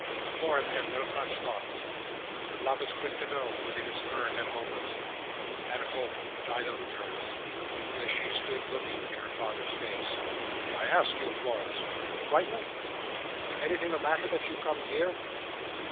Florence had no such thoughts. But love is quick to know when it is spurned and hopeless: and hope died out of hers, as she stood looking in her father's face. "I ask you, Florence, are you frightened? Is there anything the matter, that you come here?"